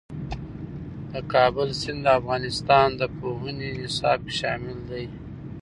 د کابل سیند د افغانستان د پوهنې نصاب کې شامل دی.